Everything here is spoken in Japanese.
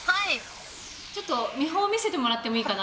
ちょっと見本見せてもらってもいいかな？